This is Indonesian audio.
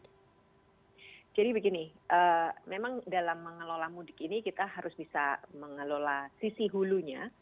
jadi begini memang dalam mengelola mudik ini kita harus bisa mengelola sisi hulunya